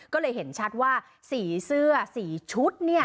ก็เลยเห็นชัดว่าสีเสื้อสีชุดเนี่ย